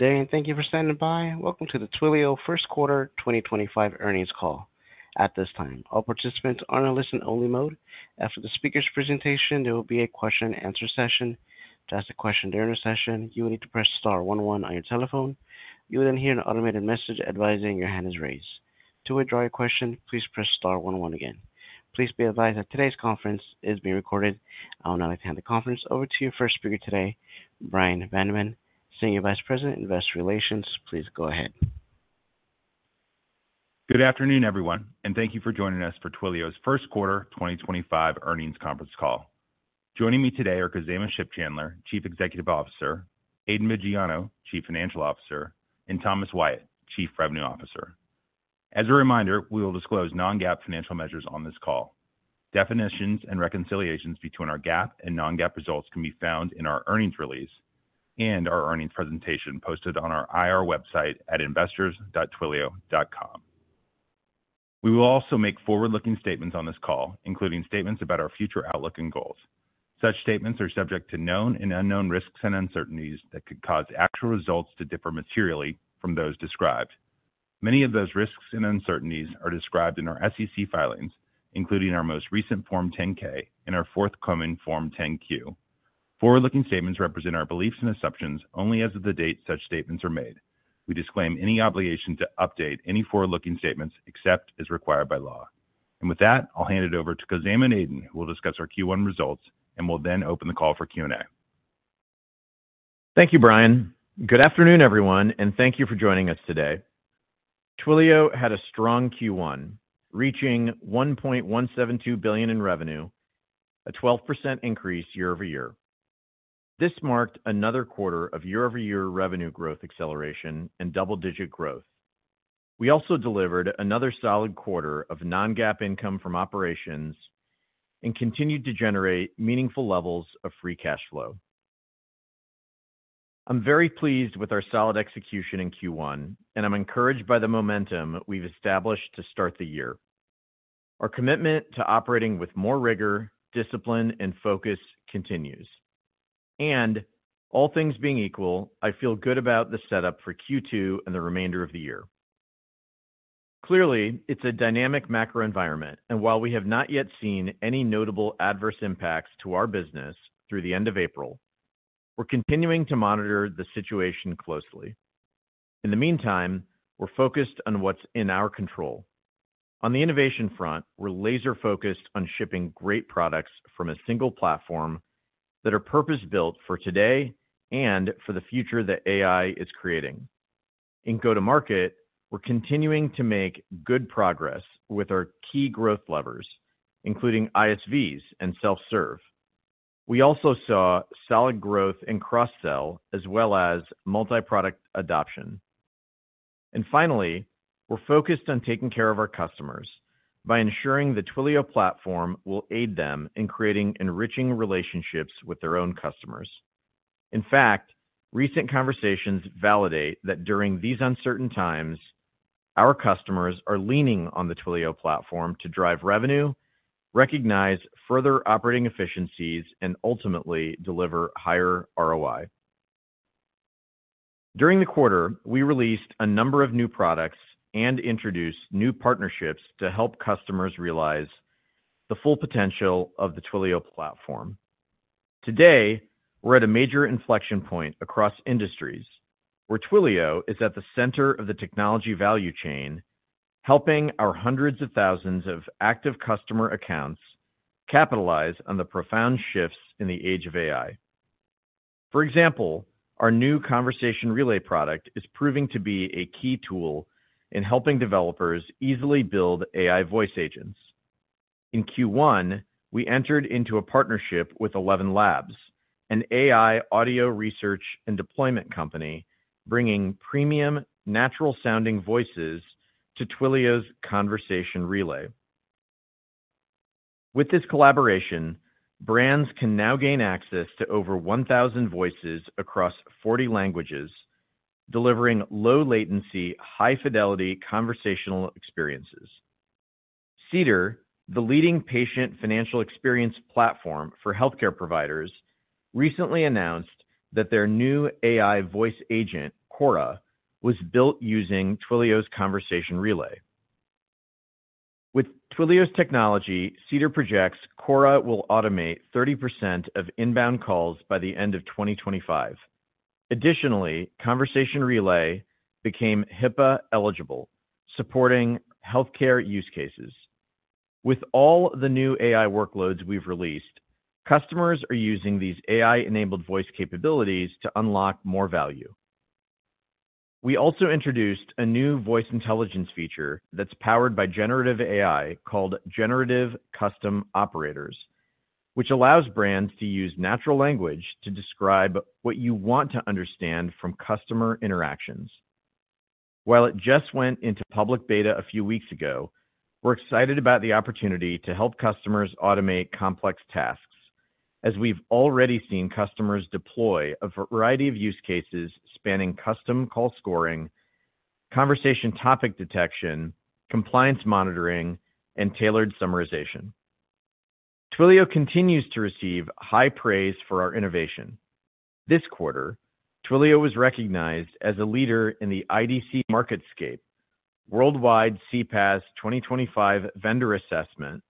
Dane, thank you for standing by. Welcome to the Twilio First Quarter 2025 earnings call. At this time, all participants are in a listen-only mode. After the speaker's presentation, there will be a question-and-answer session. To ask a question during the session, you will need to press star 1-1 on your telephone. You will then hear an automated message advising your hand is raised. To withdraw your question, please press star 1-1 again. Please be advised that today's conference is being recorded. I will now like to hand the conference over to your first speaker today, Bryan Vaniman, Senior Vice President, Investor Relations, please go ahead. Good afternoon, everyone, and thank you for joining us for Twilio's First Quarter 2025 earnings conference call. Joining me today are Khozema Shipchandler, Chief Executive Officer; Aidan Viggiano, Chief Financial Officer; and Thomas Wyatt, Chief Revenue Officer. As a reminder, we will disclose non-GAAP financial measures on this call. Definitions and reconciliations between our GAAP and non-GAAP results can be found in our earnings release and our earnings presentation posted on our IR website at investors.twilio.com. We will also make forward-looking statements on this call, including statements about our future outlook and goals. Such statements are subject to known and unknown risks and uncertainties that could cause actual results to differ materially from those described. Many of those risks and uncertainties are described in our SEC filings, including our most recent Form 10-K and our forthcoming Form 10-Q. Forward-looking statements represent our beliefs and assumptions only as of the date such statements are made. We disclaim any obligation to update any forward-looking statements except as required by law. With that, I'll hand it over to Khozema and Aidan, who will discuss our Q1 results, and we'll then open the call for Q&A. Thank you, Bryan. Good afternoon, everyone, and thank you for joining us today. Twilio had a strong Q1, reaching $1.172 billion in revenue, a 12% increase year over year. This marked another quarter of year-over-year revenue growth acceleration and double-digit growth. We also delivered another solid quarter of non-GAAP income from operations and continued to generate meaningful levels of free cash flow. I'm very pleased with our solid execution in Q1, and I'm encouraged by the momentum we've established to start the year. Our commitment to operating with more rigor, discipline, and focus continues. All things being equal, I feel good about the setup for Q2 and the remainder of the year. Clearly, it's a dynamic macro environment, and while we have not yet seen any notable adverse impacts to our business through the end of April, we're continuing to monitor the situation closely. In the meantime, we're focused on what's in our control. On the innovation front, we're laser-focused on shipping great products from a single platform that are purpose-built for today and for the future that AI is creating. In go-to-market, we're continuing to make good progress with our key growth levers, including ISVs and self-serve. We also saw solid growth in cross-sell as well as multi-product adoption. Finally, we're focused on taking care of our customers by ensuring the Twilio platform will aid them in creating enriching relationships with their own customers. In fact, recent conversations validate that during these uncertain times, our customers are leaning on the Twilio platform to drive revenue, recognize further operating efficiencies, and ultimately deliver higher ROI. During the quarter, we released a number of new products and introduced new partnerships to help customers realize the full potential of the Twilio platform. Today, we're at a major inflection point across industries where Twilio is at the center of the technology value chain, helping our hundreds of thousands of active customer accounts capitalize on the profound shifts in the age of AI. For example, our new ConversationRelay product is proving to be a key tool in helping developers easily build AI voice agents. In Q1, we entered into a partnership with ElevenLabs, an AI audio research and deployment company, bringing premium, natural-sounding voices to Twilio's ConversationRelay. With this collaboration, brands can now gain access to over 1,000 voices across 40 languages, delivering low-latency, high-fidelity conversational experiences. Cedar, the leading patient financial experience platform for healthcare providers, recently announced that their new AI voice agent, Kora, was built using Twilio's ConversationRelay. With Twilio's technology, Cedar projects Kora will automate 30% of inbound calls by the end of 2025. Additionally, ConversationRelay became HIPAA eligible, supporting healthcare use cases. With all the new AI workloads we've released, customers are using these AI-enabled voice capabilities to unlock more value. We also introduced a new Voice Intelligence feature that's powered by generative AI called Generative Custom Operators, which allows brands to use natural language to describe what you want to understand from customer interactions. While it just went into public beta a few weeks ago, we're excited about the opportunity to help customers automate complex tasks, as we've already seen customers deploy a variety of use cases spanning custom call scoring, conversation topic detection, compliance monitoring, and tailored summarization. Twilio continues to receive high praise for our innovation. This quarter, Twilio was recognized as a leader in the IDC MarketScape, Worldwide CPaaS 2025 vendor assessment,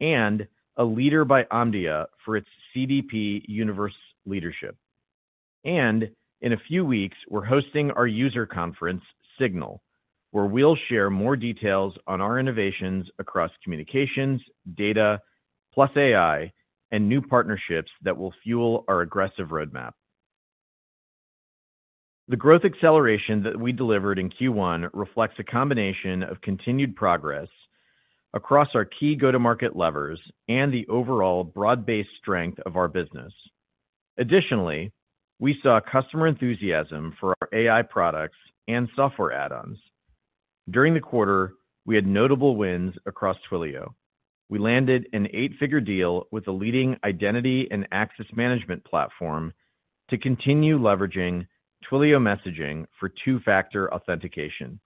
and a leader by Omdia for its CDP Universe leadership. In a few weeks, we're hosting our user conference, SIGNAL, where we'll share more details on our innovations across communications, data, plus AI, and new partnerships that will fuel our aggressive roadmap. The growth acceleration that we delivered in Q1 reflects a combination of continued progress across our key go-to-market levers and the overall broad-based strength of our business. Additionally, we saw customer enthusiasm for our AI products and software add-ons. During the quarter, we had notable wins across Twilio. We landed an eight-figure deal with a leading identity and access management platform to continue leveraging Twilio messaging for two-factor authentication.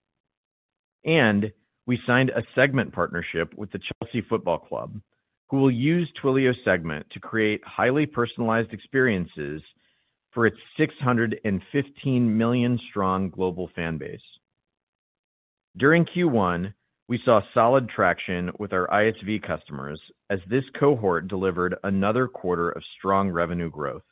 We signed a Segment partnership with the Chelsea Football Club, who will use Twilio Segment to create highly personalized experiences for its 615 million-strong global fanbase. During Q1, we saw solid traction with our ISV customers as this cohort delivered another quarter of strong revenue growth.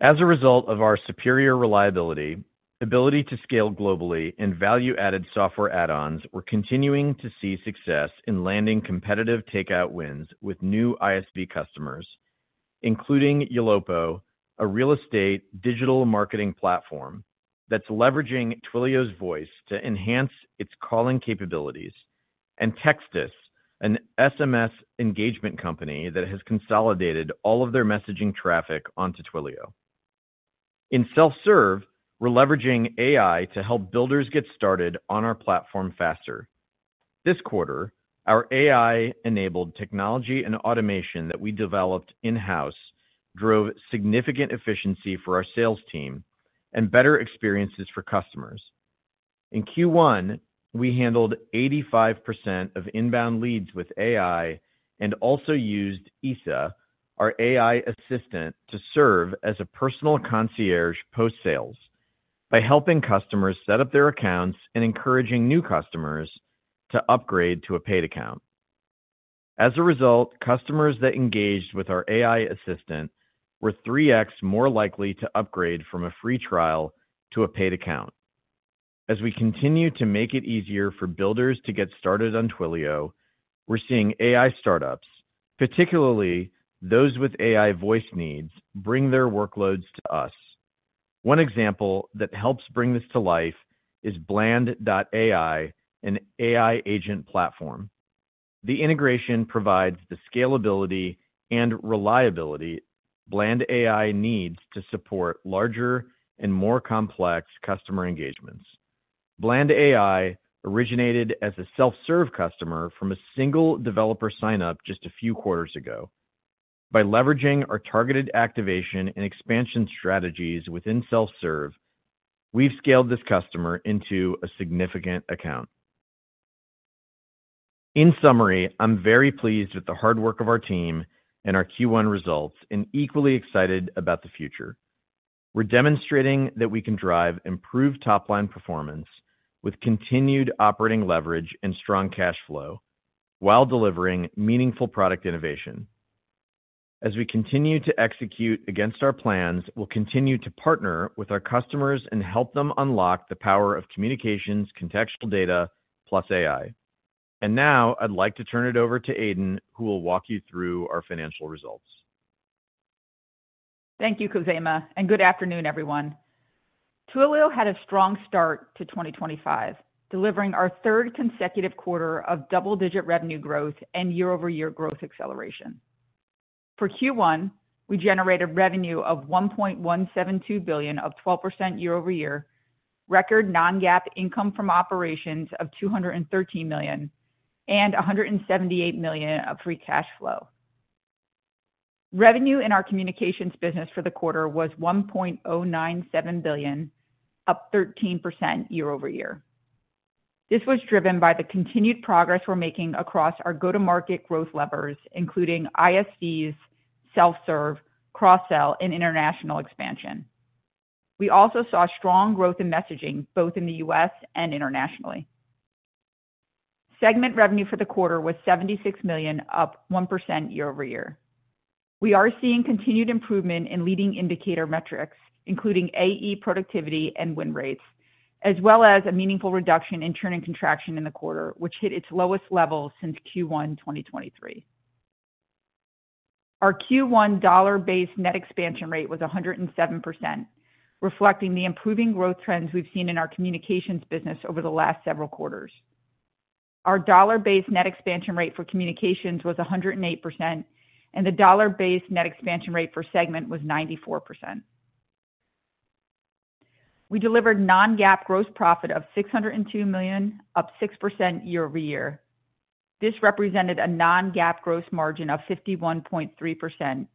As a result of our superior reliability, ability to scale globally, and value-added software add-ons, we're continuing to see success in landing competitive takeout wins with new ISV customers, including Ylopo, a real estate digital marketing platform that's leveraging Twilio's voice to enhance its calling capabilities, and TextUs, an SMS engagement company that has consolidated all of their messaging traffic onto Twilio. In self-serve, we're leveraging AI to help builders get started on our platform faster. This quarter, our AI-enabled technology and automation that we developed in-house drove significant efficiency for our sales team and better experiences for customers. In Q1, we handled 85% of inbound leads with AI and also used Isa, our AI assistant, to serve as a personal concierge post-sales by helping customers set up their accounts and encouraging new customers to upgrade to a paid account. As a result, customers that engaged with our AI assistant were 3x more likely to upgrade from a free trial to a paid account. As we continue to make it easier for builders to get started on Twilio, we're seeing AI startups, particularly those with AI voice needs, bring their workloads to us. One example that helps bring this to life is Bland.ai, an AI agent platform. The integration provides the scalability and reliability Bland.ai needs to support larger and more complex customer engagements. Bland.ai originated as a self-serve customer from a single developer sign-up just a few quarters ago. By leveraging our targeted activation and expansion strategies within self-serve, we've scaled this customer into a significant account. In summary, I'm very pleased with the hard work of our team and our Q1 results and equally excited about the future. We're demonstrating that we can drive improved top-line performance with continued operating leverage and strong cash flow while delivering meaningful product innovation. As we continue to execute against our plans, we will continue to partner with our customers and help them unlock the power of communications, contextual data, plus AI. I would like to turn it over to Aidan, who will walk you through our financial results. Thank you, Khozema, and good afternoon, everyone. Twilio had a strong start to 2025, delivering our third consecutive quarter of double-digit revenue growth and year-over-year growth acceleration. For Q1, we generated revenue of $1.172 billion, up 12% year-over-year, record non-GAAP income from operations of $213 million, and $178 million of free cash flow. Revenue in our communications business for the quarter was $1.097 billion, up 13% year-over-year. This was driven by the continued progress we're making across our go-to-market growth levers, including ISVs, self-serve, cross-sell, and international expansion. We also saw strong growth in messaging both in the U.S. and internationally. Segment revenue for the quarter was $76 million, up 1% year-over-year. We are seeing continued improvement in leading indicator metrics, including AE productivity and win rates, as well as a meaningful reduction in churn and contraction in the quarter, which hit its lowest level since Q1 2023. Our Q1 dollar-based net expansion rate was 107%, reflecting the improving growth trends we've seen in our communications business over the last several quarters. Our dollar-based net expansion rate for communications was 108%, and the dollar-based net expansion rate for Segment was 94%. We delivered non-GAAP gross profit of $602 million, up 6% year-over-year. This represented a non-GAAP gross margin of 51.3%,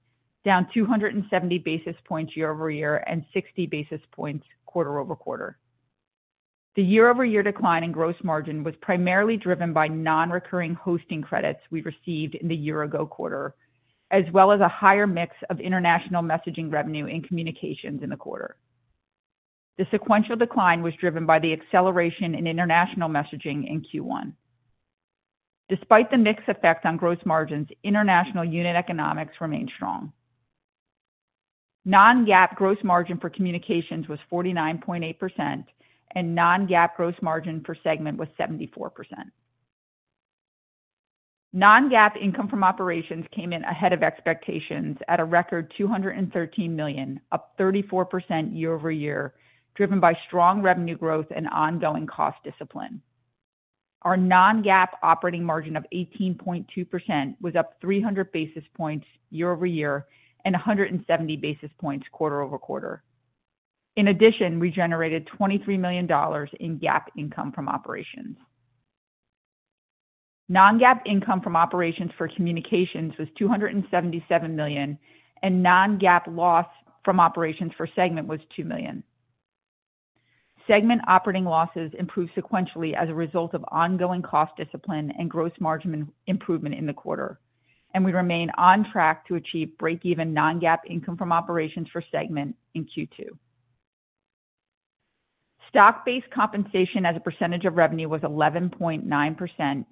down 270 basis points year-over-year and 60 basis points quarter over quarter. The year-over-year decline in gross margin was primarily driven by non-recurring hosting credits we received in the year-ago quarter, as well as a higher mix of international messaging revenue and communications in the quarter. The sequential decline was driven by the acceleration in international messaging in Q1. Despite the mixed effect on gross margins, international unit economics remained strong. Non-GAAP gross margin for communications was 49.8%, and non-GAAP gross margin for Segment was 74%. Non-GAAP income from operations came in ahead of expectations at a record $213 million, up 34% year-over-year, driven by strong revenue growth and ongoing cost discipline. Our non-GAAP operating margin of 18.2% was up 300 basis points year-over-year and 170 basis points quarter over quarter. In addition, we generated $23 million in GAAP income from operations. Non-GAAP income from operations for communications was $277 million, and non-GAAP loss from operations for Segment was $2 million. Segment operating losses improved sequentially as a result of ongoing cost discipline and gross margin improvement in the quarter, and we remain on track to achieve break-even non-GAAP income from operations for Segment in Q2. Stock-based compensation as a percentage of revenue was 11.9%,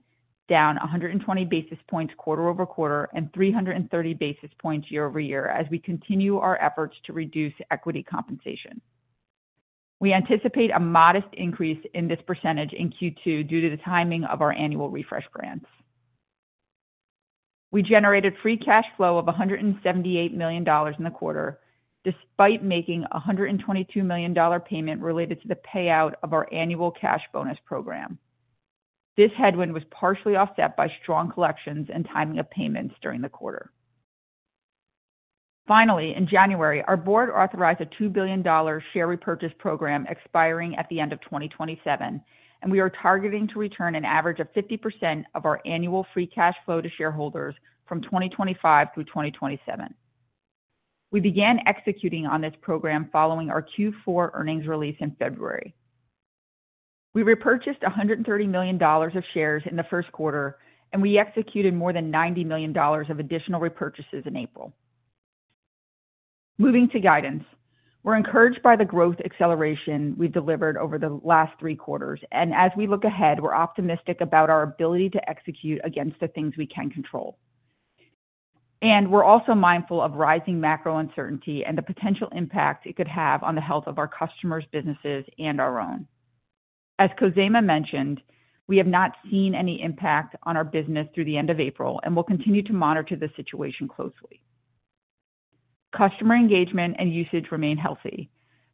down 120 basis points quarter over quarter and 330 basis points year-over-year as we continue our efforts to reduce equity compensation. We anticipate a modest increase in this percentage in Q2 due to the timing of our annual refresh grants. We generated free cash flow of $178 million in the quarter despite making a $122 million payment related to the payout of our annual cash bonus program. This headwind was partially offset by strong collections and timing of payments during the quarter. Finally, in January, our board authorized a $2 billion share repurchase program expiring at the end of 2027, and we are targeting to return an average of 50% of our annual free cash flow to shareholders from 2025 through 2027. We began executing on this program following our Q4 earnings release in February. We repurchased $130 million of shares in the first quarter, and we executed more than $90 million of additional repurchases in April. Moving to guidance, we're encouraged by the growth acceleration we've delivered over the last three quarters, and as we look ahead, we're optimistic about our ability to execute against the things we can control. We're also mindful of rising macro uncertainty and the potential impact it could have on the health of our customers, businesses, and our own. As Khozema mentioned, we have not seen any impact on our business through the end of April, and we'll continue to monitor the situation closely. Customer engagement and usage remain healthy,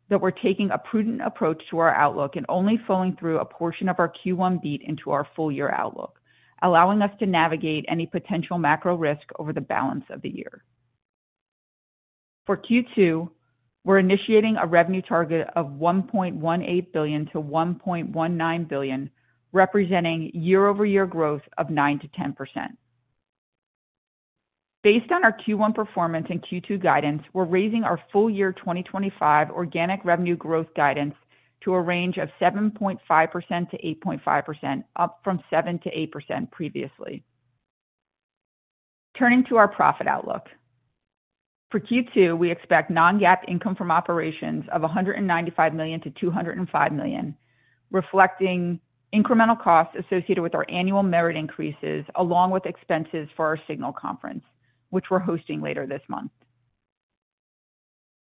but we're taking a prudent approach to our outlook and only filling through a portion of our Q1 beat into our full-year outlook, allowing us to navigate any potential macro risk over the balance of the year. For Q2, we're initiating a revenue target of $1.18 billion to 1.19 billion, representing year-over-year growth of 9% to 10%. Based on our Q1 performance and Q2 guidance, we're raising our full-year 2025 organic revenue growth guidance to a range of 7.5% to 8.5%, up from 7% to 8% previously. Turning to our profit outlook, for Q2, we expect non-GAAP income from operations of $195 million to 205 million, reflecting incremental costs associated with our annual merit increases along with expenses for our Signal conference, which we're hosting later this month.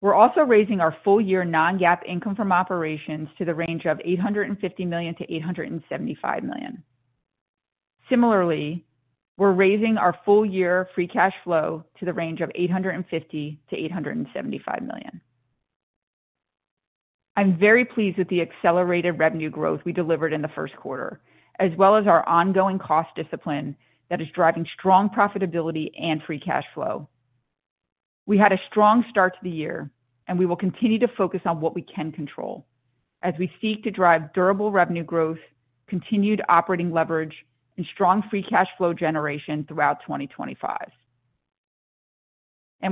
We're also raising our full-year non-GAAP income from operations to the range of $850 millionto 875 million. Similarly, we're raising our full-year free cash flow to the range of $850 million to 875 million. I'm very pleased with the accelerated revenue growth we delivered in the first quarter, as well as our ongoing cost discipline that is driving strong profitability and free cash flow. We had a strong start to the year, and we will continue to focus on what we can control as we seek to drive durable revenue growth, continued operating leverage, and strong free cash flow generation throughout 2025.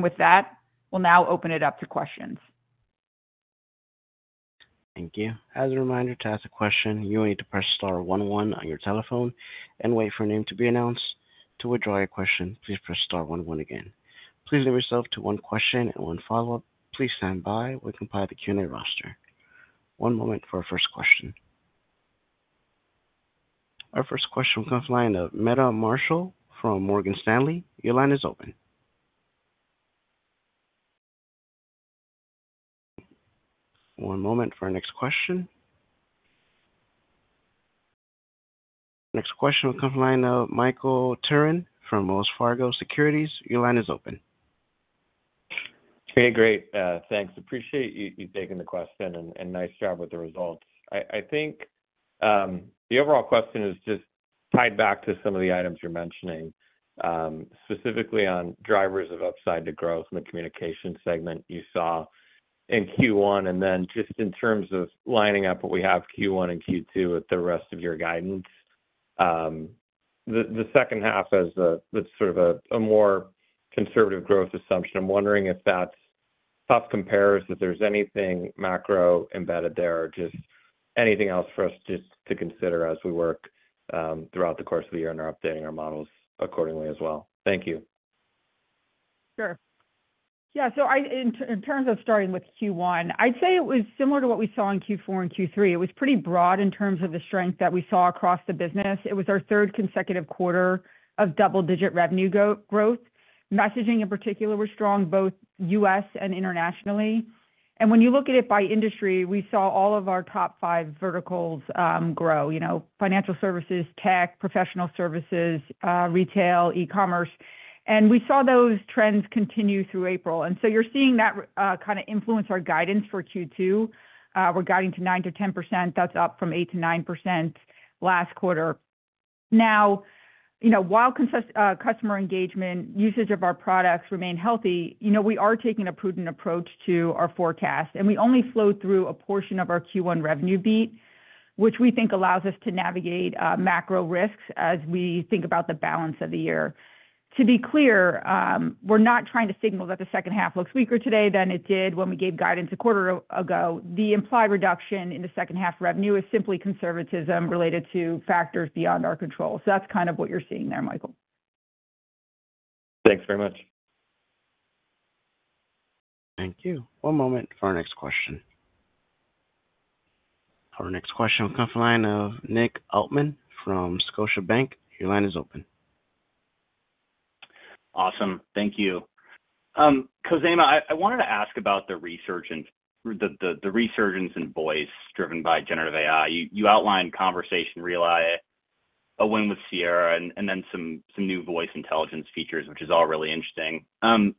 With that, we'll now open it up to questions. Thank you. As a reminder to ask a question, you will need to press star 11 on your telephone and wait for a name to be announced. To withdraw your question, please press star 11 again. Please leave yourself to one question and one follow-up. Please stand by while we compile the Q&A roster. One moment for our first question. Our first question will come from Meta Marshall from Morgan Stanley. Your line is open. One moment for our next question. Next question will come from Michael Turrin from Wells Fargo Securities. Your line is open. Hey, great. Thanks. Appreciate you taking the question and nice job with the results. I think the overall question is just tied back to some of the items you're mentioning, specifically on drivers of upside to growth in the communication segment you saw in Q1, and then just in terms of lining up what we have Q1 and Q2 with the rest of your guidance. The second half has sort of a more conservative growth assumption. I'm wondering if that's tough comparisons, if there's anything macro embedded there or just anything else for us just to consider as we work throughout the course of the year and are updating our models accordingly as well. Thank you. Sure. Yeah. In terms of starting with Q1, I'd say it was similar to what we saw in Q4 and Q3. It was pretty broad in terms of the strength that we saw across the business. It was our third consecutive quarter of double-digit revenue growth. Messaging, in particular, was strong both U.S. and internationally. When you look at it by industry, we saw all of our top five verticals grow: financial services, tech, professional services, retail, e-commerce. We saw those trends continue through April. You are seeing that kind of influence our guidance for Q2. We are guiding to 9-10%. That is up from 8-9% last quarter. Now, while customer engagement, usage of our products remain healthy, we are taking a prudent approach to our forecast, and we only flowed through a portion of our Q1 revenue beat, which we think allows us to navigate macro risks as we think about the balance of the year. To be clear, we're not trying to signal that the second half looks weaker today than it did when we gave guidance a quarter ago. The implied reduction in the second half revenue is simply conservatism related to factors beyond our control. That's kind of what you're seeing there, Michael. Thanks very much. Thank you. One moment for our next question. Our next question will come from Nick Altman from Scotiabank. Your line is open. Awesome. Thank you. Khozema, I wanted to ask about the resurgence in voice driven by generative AI. You outlined Conversation Relay, a win with Sierra, and then some new Voice Intelligence features, which is all really interesting. Can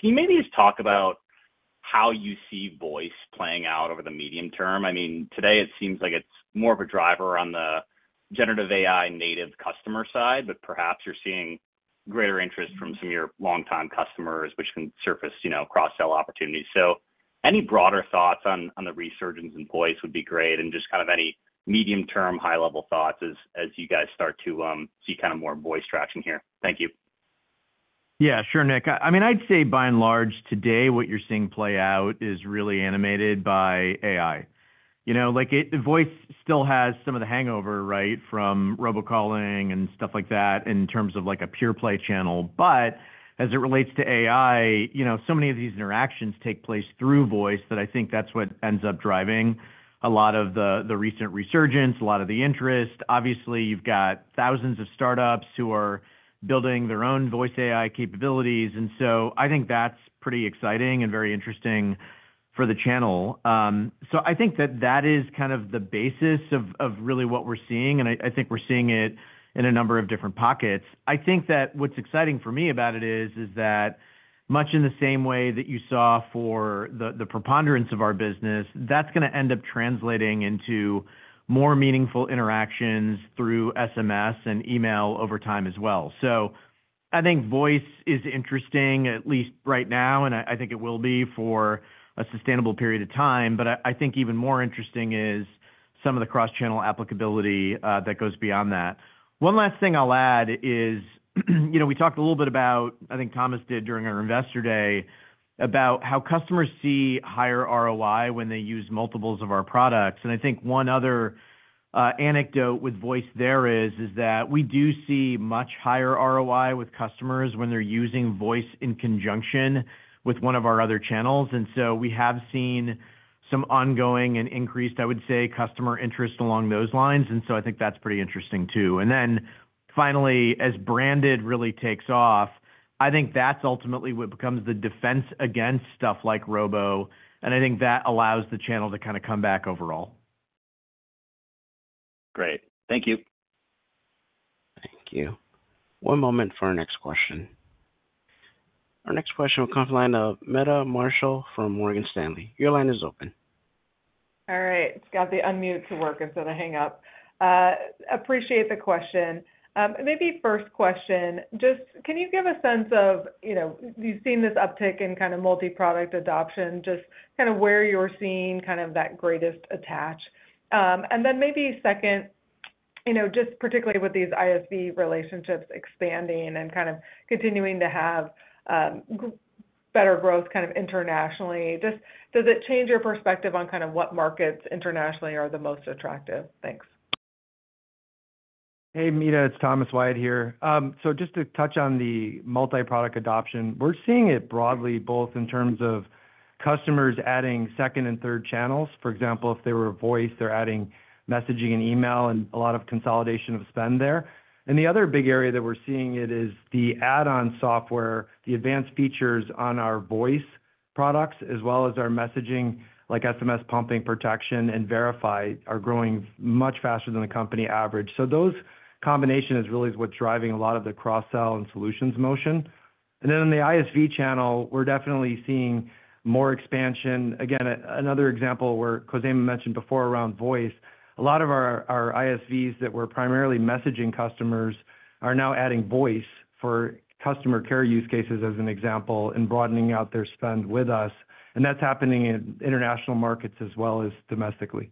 you maybe just talk about how you see voice playing out over the medium term? I mean, today, it seems like it's more of a driver on the generative AI native customer side, but perhaps you're seeing greater interest from some of your longtime customers, which can surface cross-sell opportunities. Any broader thoughts on the resurgence in voice would be great, and just kind of any medium-term, high-level thoughts as you guys start to see kind of more voice traction here. Thank you. Yeah, sure, Nick. I mean, I'd say by and large, today, what you're seeing play out is really animated by AI. The voice still has some of the hangover, right, from robocalling and stuff like that in terms of a pure play channel. As it relates to AI, so many of these interactions take place through voice that I think that's what ends up driving a lot of the recent resurgence, a lot of the interest. Obviously, you've got thousands of startups who are building their own voice AI capabilities. I think that's pretty exciting and very interesting for the channel. I think that that is kind of the basis of really what we're seeing, and I think we're seeing it in a number of different pockets. I think that what's exciting for me about it is that much in the same way that you saw for the preponderance of our business, that's going to end up translating into more meaningful interactions through SMS and email over time as well. I think voice is interesting, at least right now, and I think it will be for a sustainable period of time. I think even more interesting is some of the cross-channel applicability that goes beyond that. One last thing I'll add is we talked a little bit about, I think Thomas did during our investor day, about how customers see higher ROI when they use multiples of our products. I think one other anecdote with voice there is that we do see much higher ROI with customers when they're using voice in conjunction with one of our other channels. We have seen some ongoing and increased, I would say, customer interest along those lines. I think that's pretty interesting too. Finally, as branded really takes off, I think that's ultimately what becomes the defense against stuff like Robo. I think that allows the channel to kind of come back overall. Great. Thank you. Thank you. One moment for our next question. Our next question will come from Ayanna Meta Marshall from Morgan Stanley. Your line is open. All right. It's got the unmute to work instead of hang up. Appreciate the question. Maybe first question, just can you give a sense of you've seen this uptick in kind of multi-product adoption, just kind of where you're seeing kind of that greatest attach? Then maybe second, just particularly with these ISV relationships expanding and kind of continuing to have better growth kind of internationally, does it change your perspective on kind of what markets internationally are the most attractive? Thanks. Hey, Mita. It's Thomas Wyatt here. Just to touch on the multi-product adoption, we're seeing it broadly, both in terms of customers adding second and third channels. For example, if they were voice, they're adding messaging and email and a lot of consolidation of spend there. The other big area that we're seeing it is the add-on software, the advanced features on our voice products, as well as our messaging, like SMS Pumping Protection and Verify, are growing much faster than the company average. Those combinations really are what's driving a lot of the cross-sell and solutions motion. In the ISV channel, we're definitely seeing more expansion. Again, another example where Khozema mentioned before around voice, a lot of our ISVs that were primarily messaging customers are now adding voice for customer care use cases as an example and broadening out their spend with us. That is happening in international markets as well as domestically.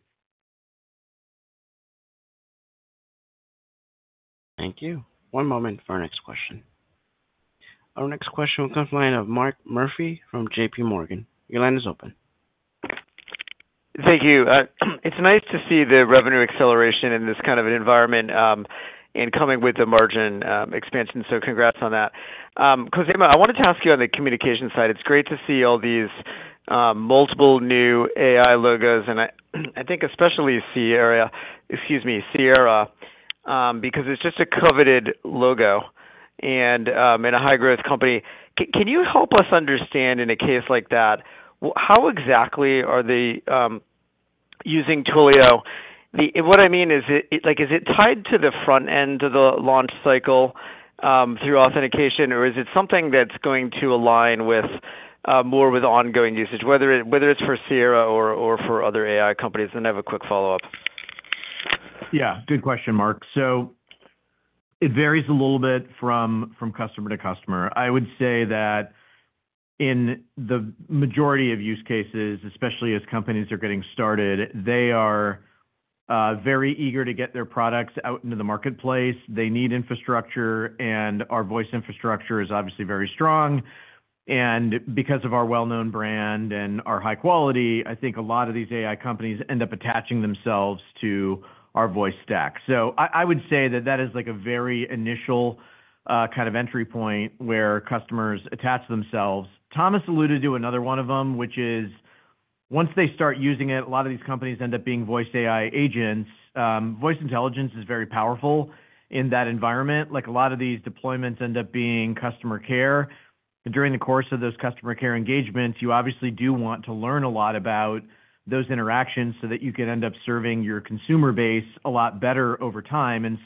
Thank you. One moment for our next question. Our next question will come from Mark Murphy from JPMorgan. Your line is open. Thank you. It's nice to see the revenue acceleration in this kind of an environment and coming with the margin expansion. Congrats on that. Khozema, I wanted to ask you on the communication side. It's great to see all these multiple new AI logos, and I think especially Sierra, excuse me, Sierra, because it's just a coveted logo and a high-growth company. Can you help us understand in a case like that, how exactly are they using Twilio? What I mean is, is it tied to the front end of the launch cycle through authentication, or is it something that's going to align more with ongoing usage, whether it's for Sierra or for other AI companies? I have a quick follow-up. Yeah. Good question, Mark. It varies a little bit from customer to customer. I would say that in the majority of use cases, especially as companies are getting started, they are very eager to get their products out into the marketplace. They need infrastructure, and our voice infrastructure is obviously very strong. Because of our well-known brand and our high quality, I think a lot of these AI companies end up attaching themselves to our voice stack. I would say that that is a very initial kind of entry point where customers attach themselves. Thomas alluded to another one of them, which is once they start using it, a lot of these companies end up being voice AI agents. Voice intelligence is very powerful in that environment. A lot of these deployments end up being customer care. During the course of those customer care engagements, you obviously do want to learn a lot about those interactions so that you can end up serving your consumer base a lot better over time.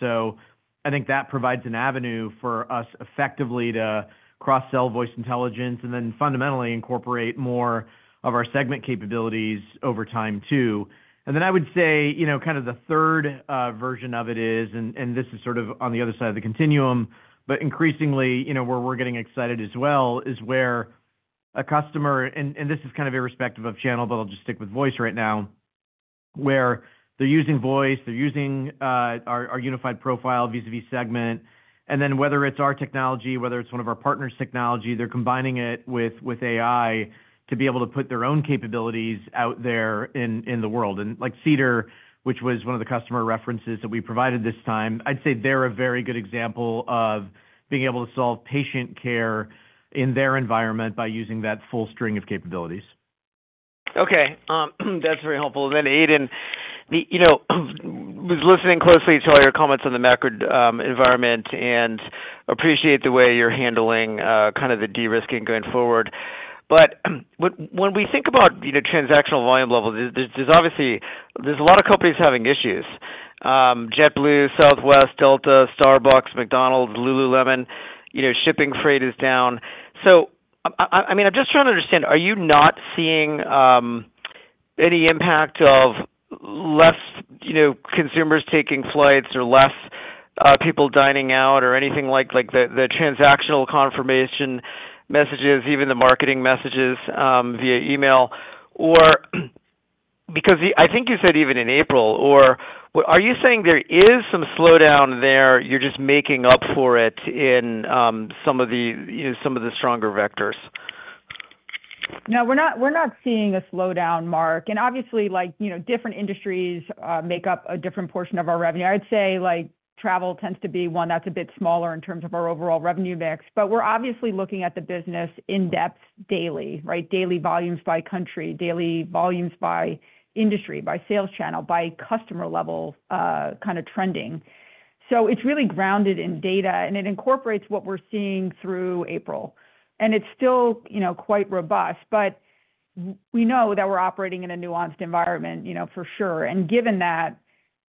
I think that provides an avenue for us effectively to cross-sell voice intelligence and then fundamentally incorporate more of our Segment capabilities over time too. I would say kind of the third version of it is, and this is sort of on the other side of the continuum, but increasingly where we're getting excited as well is where a customer, and this is kind of irrespective of channel, but I'll just stick with voice right now, where they're using voice, they're using our Unified Profiles vis-à-vis Segment, and then whether it's our technology, whether it's one of our partners' technology, they're combining it with AI to be able to put their own capabilities out there in the world. Like Cedar, which was one of the customer references that we provided this time, I'd say they're a very good example of being able to solve patient care in their environment by using that full string of capabilities. Okay. That's very helpful. Then, Aidan, I was listening closely to all your comments on the macro environment and appreciate the way you're handling kind of the de-risking going forward. When we think about transactional volume levels, there's obviously a lot of companies having issues. JetBlue, Southwest, Delta, Starbucks, McDonald's, Lululemon, shipping freight is down. I mean, I'm just trying to understand, are you not seeing any impact of less consumers taking flights or less people dining out or anything like the transactional confirmation messages, even the marketing messages via email? Because I think you said even in April, or are you saying there is some slowdown there? You're just making up for it in some of the stronger vectors? No, we're not seeing a slowdown, Mark. Obviously, different industries make up a different portion of our revenue. I'd say travel tends to be one that's a bit smaller in terms of our overall revenue mix. We're obviously looking at the business in-depth daily, right? Daily volumes by country, daily volumes by industry, by sales channel, by customer level kind of trending. It's really grounded in data, and it incorporates what we're seeing through April. It's still quite robust. We know that we're operating in a nuanced environment for sure. Given that,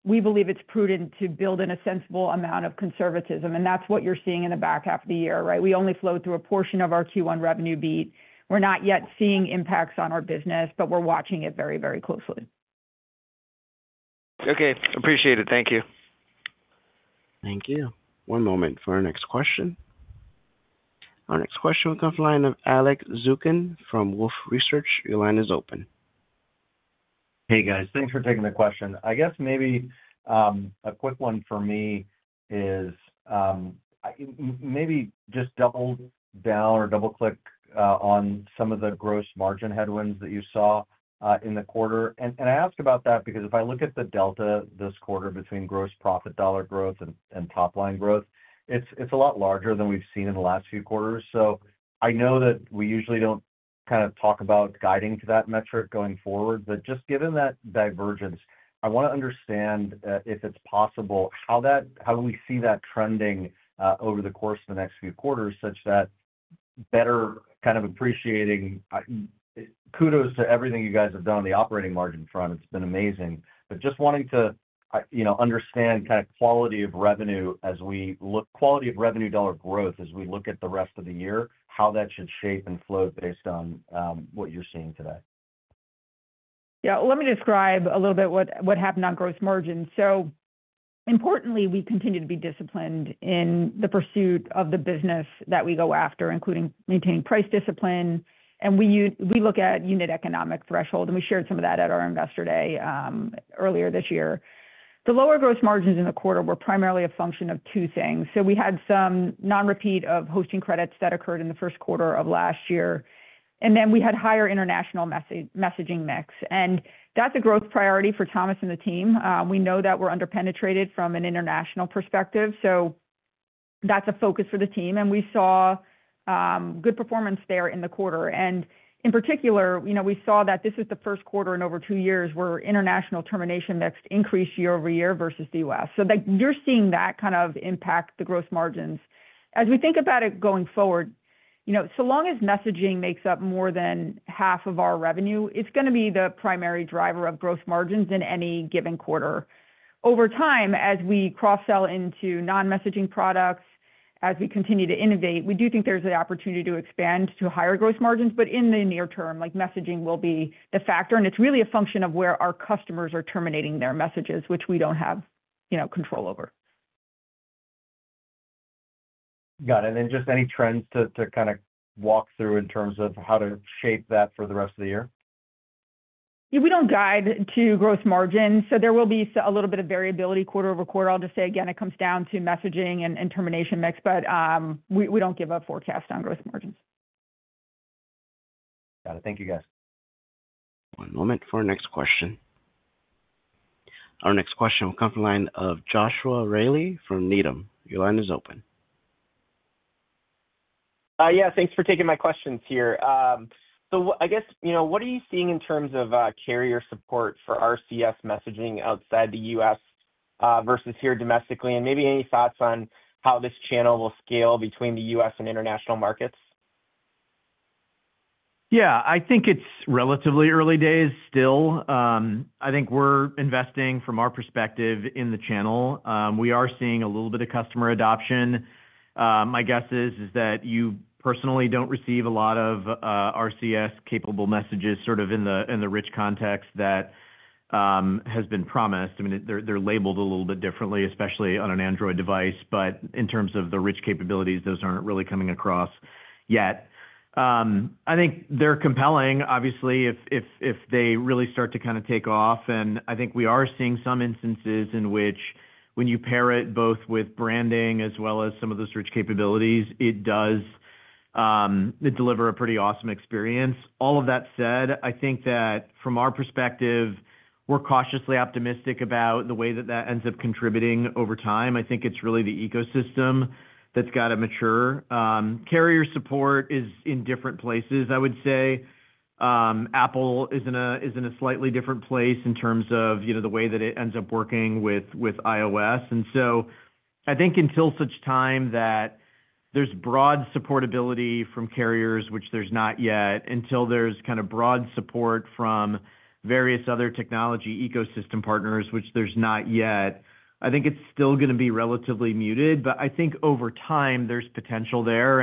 we believe it's prudent to build in a sensible amount of conservatism. That's what you're seeing in the back half of the year, right? We only flow through a portion of our Q1 revenue beat. We're not yet seeing impacts on our business, but we're watching it very, very closely. Okay. Appreciate it. Thank you. Thank you. One moment for our next question. Our next question will come from Alex Zukin from Wolfe Research. Your line is open. Hey, guys. Thanks for taking the question. I guess maybe a quick one for me is maybe just double down or double-click on some of the gross margin headwinds that you saw in the quarter. I ask about that because if I look at the delta this quarter between gross profit dollar growth and top-line growth, it's a lot larger than we've seen in the last few quarters. I know that we usually do not kind of talk about guiding to that metric going forward, but just given that divergence, I want to understand if it's possible how we see that trending over the course of the next few quarters such that better kind of appreciating kudos to everything you guys have done on the operating margin front. It's been amazing. Just wanting to understand kind of quality of revenue as we look quality of revenue dollar growth as we look at the rest of the year, how that should shape and flow based on what you're seeing today. Yeah. Let me describe a little bit what happened on gross margin. Importantly, we continue to be disciplined in the pursuit of the business that we go after, including maintaining price discipline. We look at unit economic threshold, and we shared some of that at our investor day earlier this year. The lower gross margins in the quarter were primarily a function of two things. We had some non-repeat of hosting credits that occurred in the first quarter of last year. We had higher international messaging mix. That is a growth priority for Thomas and the team. We know that we are under-penetrated from an international perspective. That is a focus for the team. We saw good performance there in the quarter. In particular, we saw that this is the first quarter in over two years where international termination mix increased year over year versus the U.S. You are seeing that kind of impact the gross margins. As we think about it going forward, so long as messaging makes up more than half of our revenue, it is going to be the primary driver of gross margins in any given quarter. Over time, as we cross-sell into non-messaging products, as we continue to innovate, we do think there is an opportunity to expand to higher gross margins. In the near term, messaging will be the factor. It is really a function of where our customers are terminating their messages, which we do not have control over. Got it. Any trends to kind of walk through in terms of how to shape that for the rest of the year? Yeah. We don't guide to gross margins. There will be a little bit of variability quarter over quarter. I'll just say again, it comes down to messaging and termination mix, but we don't give a forecast on gross margins. Got it. Thank you, guys. One moment for our next question. Our next question will come from Joshua Reilly from Needham. Your line is open. Yeah. Thanks for taking my questions here. I guess, what are you seeing in terms of carrier support for RCS messaging outside the U.S. versus here domestically? Maybe any thoughts on how this channel will scale between the U.S. and international markets? Yeah. I think it's relatively early days still. I think we're investing from our perspective in the channel. We are seeing a little bit of customer adoption. My guess is that you personally don't receive a lot of RCS-capable messages sort of in the rich context that has been promised. I mean, they're labeled a little bit differently, especially on an Android device. In terms of the rich capabilities, those aren't really coming across yet. I think they're compelling, obviously, if they really start to kind of take off. I think we are seeing some instances in which when you pair it both with branding as well as some of those rich capabilities, it does deliver a pretty awesome experience. All of that said, I think that from our perspective, we're cautiously optimistic about the way that that ends up contributing over time. I think it's really the ecosystem that's got to mature. Carrier support is in different places, I would say. Apple is in a slightly different place in terms of the way that it ends up working with iOS. I think until such time that there's broad supportability from carriers, which there's not yet, until there's kind of broad support from various other technology ecosystem partners, which there's not yet, I think it's still going to be relatively muted. I think over time, there's potential there.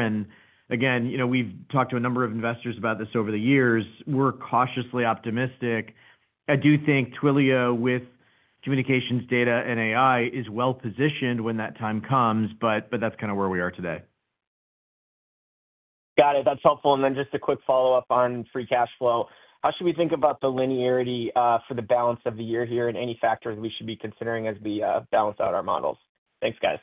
Again, we've talked to a number of investors about this over the years. We're cautiously optimistic. I do think Twilio with communications, data, and AI is well-positioned when that time comes, but that's kind of where we are today. Got it. That's helpful. Just a quick follow-up on free cash flow. How should we think about the linearity for the balance of the year here and any factors we should be considering as we balance out our models? Thanks, guys.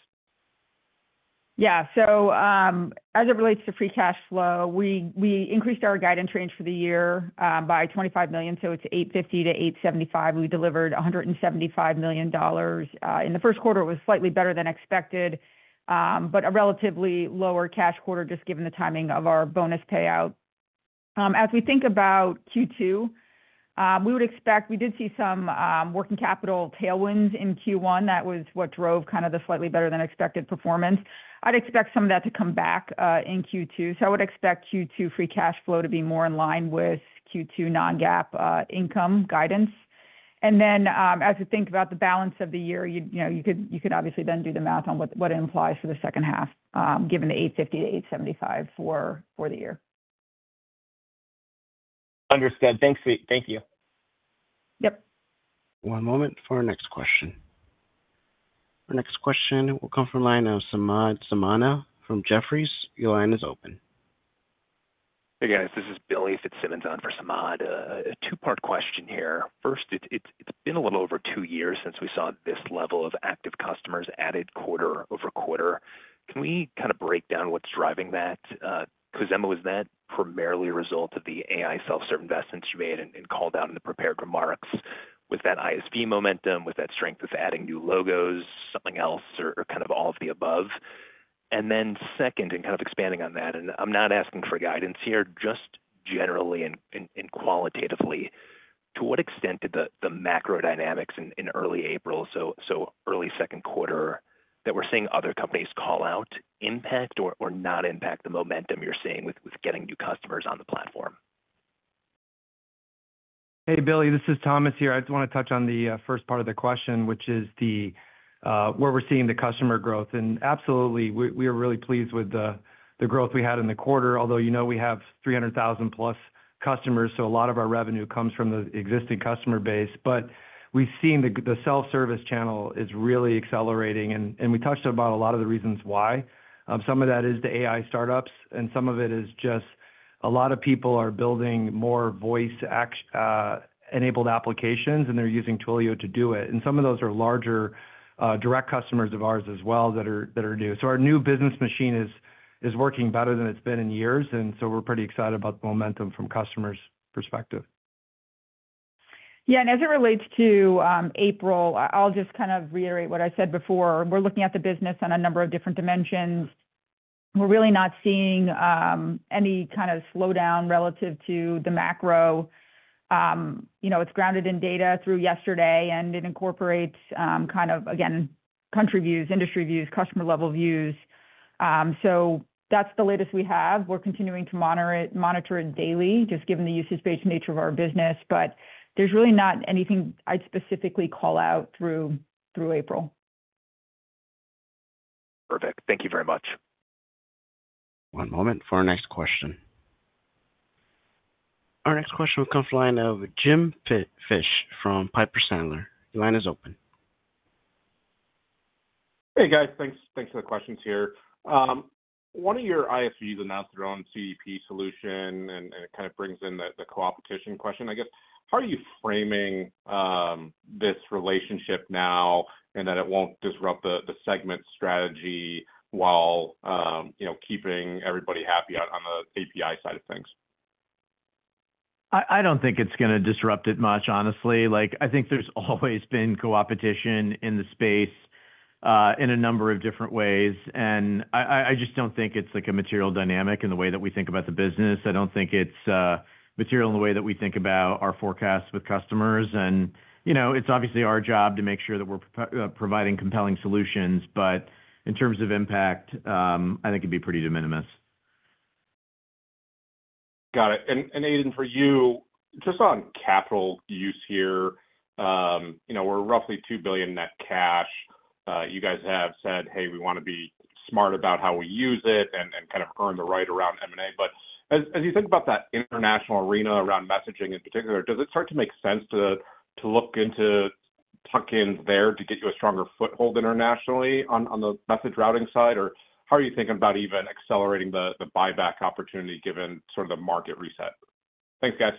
Yeah. As it relates to free cash flow, we increased our guidance range for the year by $25 million. It is $850 million to 875 million. We delivered $175 million in the first quarter. It was slightly better than expected, but a relatively lower cash quarter just given the timing of our bonus payout. As we think about Q2, we would expect—we did see some working capital tailwinds in Q1. That was what drove kind of the slightly better than expected performance. I would expect some of that to come back in Q2. I would expect Q2 free cash flow to be more in line with Q2 non-GAAP income guidance. As we think about the balance of the year, you could obviously then do the math on what it implies for the second half given the $850 million-$875 million for the year. Understood. Thanks, Pete. Thank you. Yep. One moment for our next question. Our next question will come from Samad Samana from Jefferies. Your line is open. Hey, guys. This is Billy Fitzsimmons on for Samana. A two-part question here. First, it's been a little over two years since we saw this level of active customers added quarter over quarter. Can we kind of break down what's driving that? Khozema, was that primarily a result of the AI self-serve investments you made and called out in the prepared remarks with that ISV momentum, with that strength of adding new logos, something else, or kind of all of the above? Second, and kind of expanding on that, and I'm not asking for guidance here, just generally and qualitatively, to what extent did the macro dynamics in early April, so early second quarter, that we're seeing other companies call out impact or not impact the momentum you're seeing with getting new customers on the platform? Hey, Billy. This is Thomas here. I just want to touch on the first part of the question, which is where we're seeing the customer growth. Absolutely, we are really pleased with the growth we had in the quarter, although we have 300,000-plus customers, so a lot of our revenue comes from the existing customer base. We've seen the self-service channel is really accelerating. We touched on a lot of the reasons why. Some of that is the AI startups, and some of it is just a lot of people are building more voice-enabled applications, and they're using Twilio to do it. Some of those are larger direct customers of ours as well that are new. Our new business machine is working better than it's been in years. We're pretty excited about the momentum from customers' perspective. Yeah. As it relates to April, I'll just kind of reiterate what I said before. We're looking at the business on a number of different dimensions. We're really not seeing any kind of slowdown relative to the macro. It's grounded in data through yesterday, and it incorporates kind of, again, country views, industry views, customer-level views. That's the latest we have. We're continuing to monitor it daily, just given the usage-based nature of our business. There's really not anything I'd specifically call out through April. Perfect. Thank you very much. One moment for our next question. Our next question will come from Jim Fish from Piper Sandler. Your line is open. Hey, guys. Thanks for the questions here. One of your ISVs announced their own CDP solution, and it kind of brings in the co-opetition question, I guess. How are you framing this relationship now in that it won't disrupt the Segment strategy while keeping everybody happy on the API side of things? I don't think it's going to disrupt it much, honestly. I think there's always been co-opetition in the space in a number of different ways. I just don't think it's a material dynamic in the way that we think about the business. I don't think it's material in the way that we think about our forecasts with customers. It's obviously our job to make sure that we're providing compelling solutions. In terms of impact, I think it'd be pretty de minimis. Got it. Aidan, for you, just on capital use here, we're roughly $2 billion net cash. You guys have said, "Hey, we want to be smart about how we use it and kind of earn the right around M&A." As you think about that international arena around messaging in particular, does it start to make sense to look into tucking there to get you a stronger foothold internationally on the message routing side? How are you thinking about even accelerating the buyback opportunity given sort of the market reset? Thanks, guys.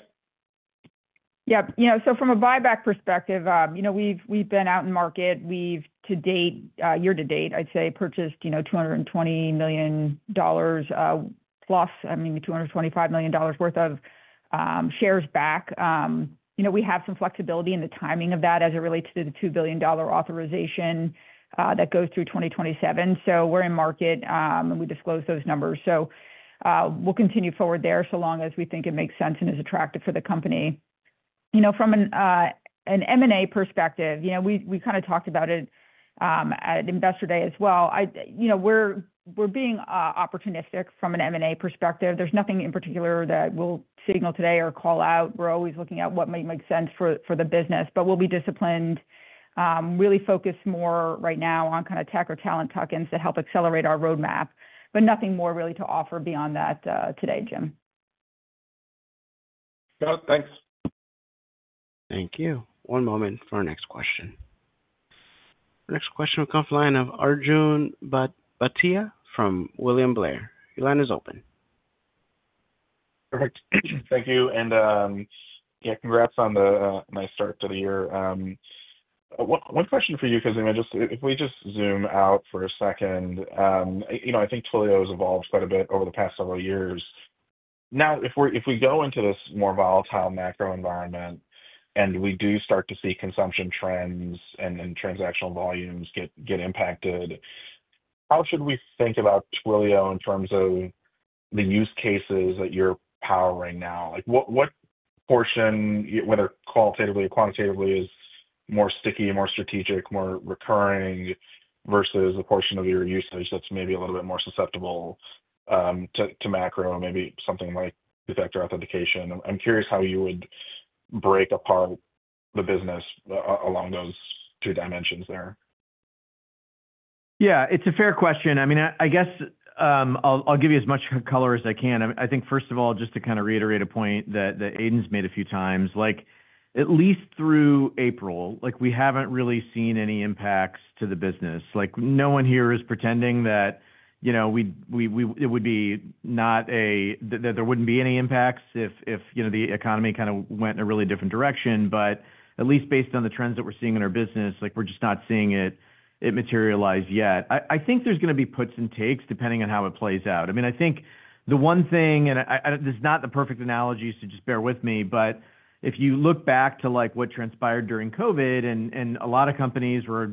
Yeah. From a buyback perspective, we've been out in the market. We've, to date, year to date, I'd say, purchased $220 million plus, I mean, $225 million worth of shares back. We have some flexibility in the timing of that as it relates to the $2 billion authorization that goes through 2027. We're in market, and we disclose those numbers. We'll continue forward there so long as we think it makes sense and is attractive for the company. From an M&A perspective, we kind of talked about it at investor day as well. We're being opportunistic from an M&A perspective. There's nothing in particular that we'll signal today or call out. We're always looking at what might make sense for the business. We'll be disciplined, really focused more right now on kind of tech or talent tuck-ins to help accelerate our roadmap. Nothing more really to offer beyond that today, Jim. Got it. Thanks. Thank you. One moment for our next question. Our next question will come from Arjun Bhatia from William Blair. Your line is open. Perfect. Thank you. Yeah, congrats on the nice start to the year. One question for you, Khozema. If we just zoom out for a second, I think Twilio has evolved quite a bit over the past several years. Now, if we go into this more volatile macro environment and we do start to see consumption trends and transactional volumes get impacted, how should we think about Twilio in terms of the use cases that you're powering now? What portion, whether qualitatively or quantitatively, is more sticky, more strategic, more recurring versus the portion of your usage that's maybe a little bit more susceptible to macro, maybe something like two-factor authentication? I'm curious how you would break apart the business along those two dimensions there. Yeah. It's a fair question. I mean, I guess I'll give you as much color as I can. I think, first of all, just to kind of reiterate a point that Aidan's made a few times, at least through April, we haven't really seen any impacts to the business. No one here is pretending that it would be not a that there wouldn't be any impacts if the economy kind of went in a really different direction. At least based on the trends that we're seeing in our business, we're just not seeing it materialize yet. I think there's going to be puts and takes depending on how it plays out. I mean, I think the one thing—this is not the perfect analogy—is to just bear with me. If you look back to what transpired during COVID, and a lot of companies were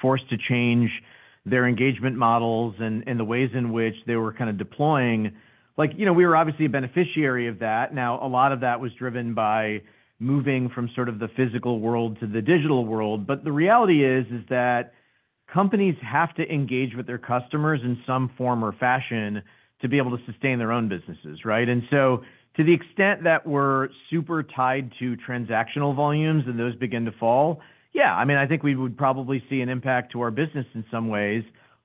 forced to change their engagement models and the ways in which they were kind of deploying, we were obviously a beneficiary of that. Now, a lot of that was driven by moving from sort of the physical world to the digital world. The reality is that companies have to engage with their customers in some form or fashion to be able to sustain their own businesses, right? To the extent that we're super tied to transactional volumes and those begin to fall, yeah, I mean, I think we would probably see an impact to our business in some ways.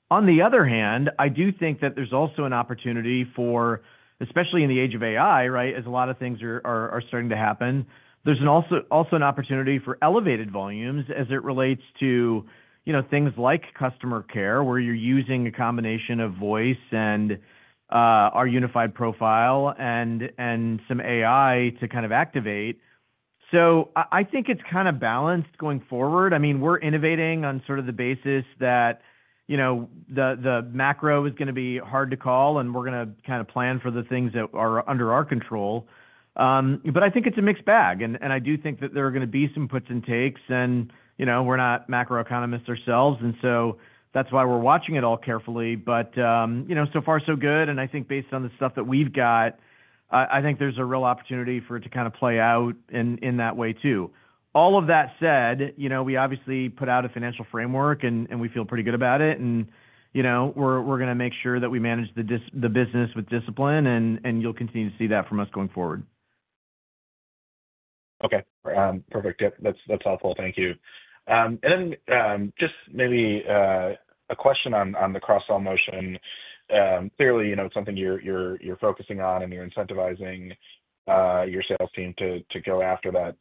On the other hand, I do think that there's also an opportunity for, especially in the age of AI, right, as a lot of things are starting to happen, there's also an opportunity for elevated volumes as it relates to things like customer care where you're using a combination of voice and our unified profile and some AI to kind of activate. I think it's kind of balanced going forward. I mean, we're innovating on sort of the basis that the macro is going to be hard to call, and we're going to kind of plan for the things that are under our control. I think it's a mixed bag. I do think that there are going to be some puts and takes, and we're not macroeconomists ourselves. That's why we're watching it all carefully. So far, so good. I think based on the stuff that we've got, I think there's a real opportunity for it to kind of play out in that way too. All of that said, we obviously put out a financial framework, and we feel pretty good about it. We're going to make sure that we manage the business with discipline, and you'll continue to see that from us going forward. Okay. Perfect. Yep. That's helpful. Thank you. Just maybe a question on the cross-sell motion. Clearly, it's something you're focusing on, and you're incentivizing your sales team to go after that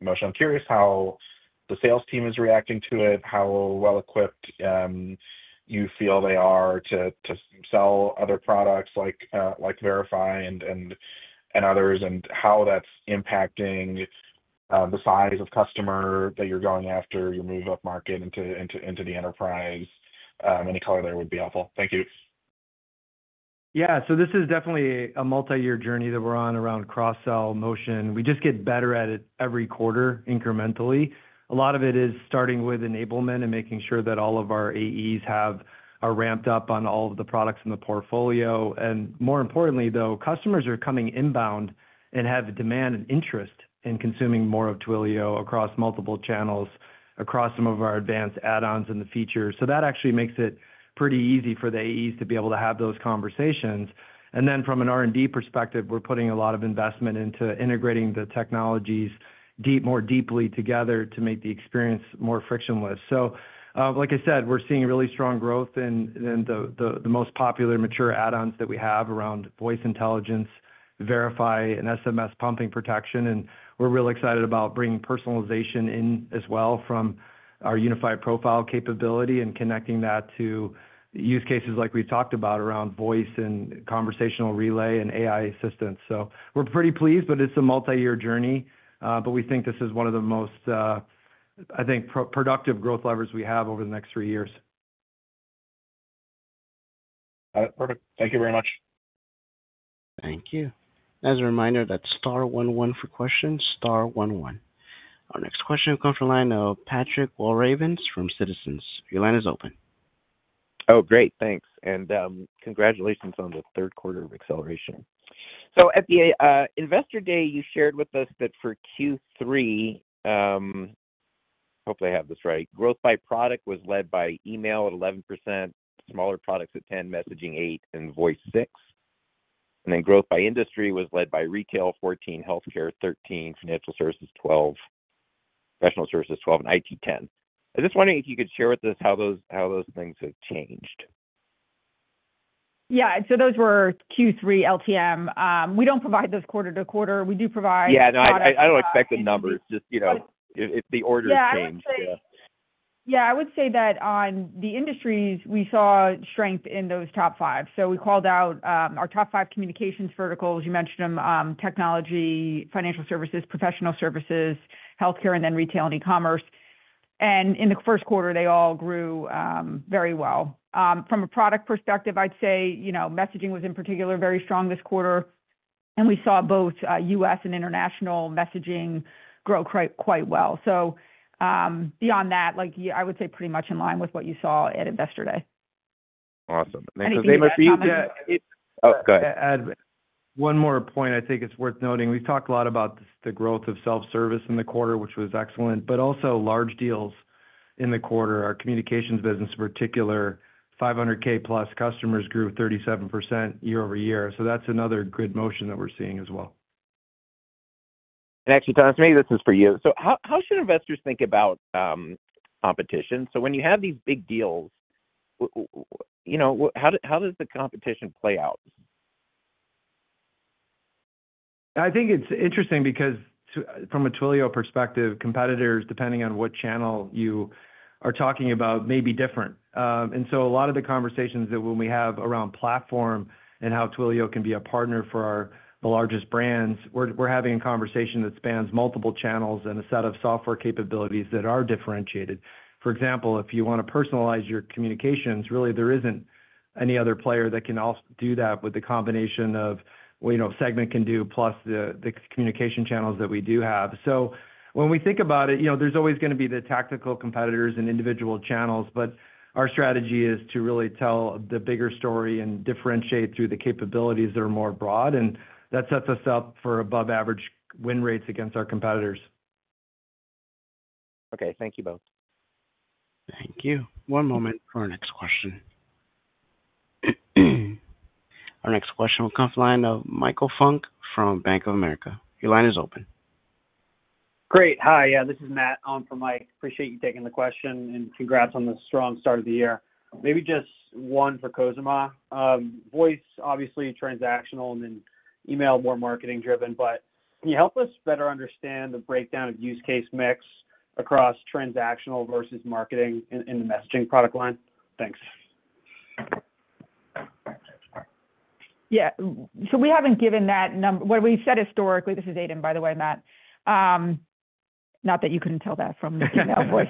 motion. I'm curious how the sales team is reacting to it, how well-equipped you feel they are to sell other products like Verify and others, and how that's impacting the size of customer that you're going after, your move-up market into the enterprise. Any color there would be helpful. Thank you. Yeah. This is definitely a multi-year journey that we're on around cross-sell motion. We just get better at it every quarter incrementally. A lot of it is starting with enablement and making sure that all of our AEs are ramped up on all of the products in the portfolio. More importantly, though, customers are coming inbound and have demand and interest in consuming more of Twilio across multiple channels, across some of our advanced add-ons and the features. That actually makes it pretty easy for the AEs to be able to have those conversations. From an R&D perspective, we're putting a lot of investment into integrating the technologies more deeply together to make the experience more frictionless. Like I said, we're seeing really strong growth in the most popular mature add-ons that we have around voice intelligence, Verify, and SMS pumping protection. We are really excited about bringing personalization in as well from our unified profile capability and connecting that to use cases like we have talked about around voice and Conversation Relay and AI assistance. We are pretty pleased, but it is a multi-year journey. We think this is one of the most, I think, productive growth levers we have over the next three years. Got it. Perfect. Thank you very much. Thank you. As a reminder, that's Star 11 for questions. Star 11. Our next question will come from Patrick Walravens from Citizens. Your line is open. Oh, great. Thanks. Congratulations on the third quarter of acceleration. At the investor day, you shared with us that for Q3, hopefully, I have this right, growth by product was led by email at 11%, smaller products at 10%, messaging 8%, and voice 6%. Growth by industry was led by retail, 14%, healthcare, 13%, financial services, 12%, professional services, 12%, and IT, 10%. I'm just wondering if you could share with us how those things have changed. Yeah. So those were Q3 LTM. We do not provide those quarter to quarter. We do provide. Yeah. No, I don't expect the numbers. Just if the order changed. Yeah. Actually, yeah, I would say that on the industries, we saw strength in those top five. We called out our top five communications verticals. You mentioned them, technology, financial services, professional services, healthcare, and then retail and e-commerce. In the first quarter, they all grew very well. From a product perspective, I'd say messaging was in particular very strong this quarter. We saw both U.S. and international messaging grow quite well. Beyond that, I would say pretty much in line with what you saw at investor day. Awesome. Thank you so much. Ayanna—oh, go ahead. To add one more point, I think it's worth noting. We've talked a lot about the growth of self-service in the quarter, which was excellent. Also, large deals in the quarter, our communications business in particular, $500,000 plus customers grew 37% year over year. That's another good motion that we're seeing as well. Actually, Thomas, maybe this is for you. How should investors think about competition? When you have these big deals, how does the competition play out? I think it's interesting because from a Twilio perspective, competitors, depending on what channel you are talking about, may be different. A lot of the conversations that we have around platform and how Twilio can be a partner for the largest brands, we're having a conversation that spans multiple channels and a set of software capabilities that are differentiated. For example, if you want to personalize your communications, really, there isn't any other player that can do that with the combination of what Segment can do plus the communication channels that we do have. When we think about it, there's always going to be the tactical competitors and individual channels. Our strategy is to really tell the bigger story and differentiate through the capabilities that are more broad. That sets us up for above-average win rates against our competitors. Okay. Thank you both. Thank you. One moment for our next question. Our next question will come from Michael Funk from Bank of America. Your line is open. Great. Hi. Yeah, this is Matt from Mike. Appreciate you taking the question. Congrats on the strong start of the year. Maybe just one for Khozema. Voice, obviously, transactional and then email more marketing-driven. Can you help us better understand the breakdown of use case mix across transactional versus marketing in the messaging product line? Thanks. Yeah. We haven't given that number. What we've said historically—this is Aidan, by the way, Matt. Not that you couldn't tell that from the email voice,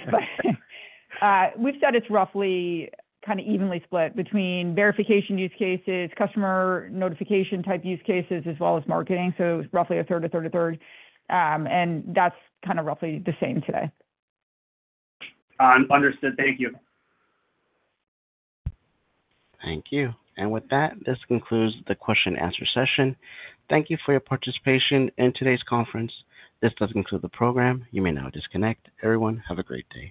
but—we've said it's roughly kind of evenly split between verification use cases, customer notification type use cases, as well as marketing. So roughly a third, a third, a third. That's kind of roughly the same today. Understood. Thank you. Thank you. With that, this concludes the question-and-answer session. Thank you for your participation in today's conference. This does conclude the program. You may now disconnect. Everyone, have a great day.